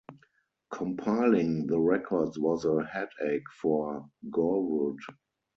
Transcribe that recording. Compiling the records was a headache for Gurwood.